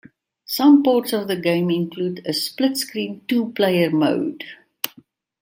Some ports of the game include a split-screen two player mode.